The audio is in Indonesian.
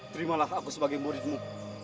terimalah aku sebagai murid mu